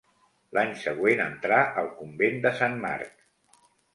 L'any següent entrà al convent de Sant Marc.